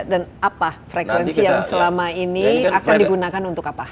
dan apa frekuensi yang selama ini akan digunakan untuk apa